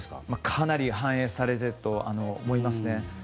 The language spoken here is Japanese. かなり反映されていると思いますね。